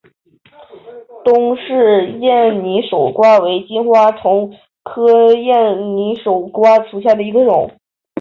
东氏艳拟守瓜为金花虫科艳拟守瓜属下的一个种。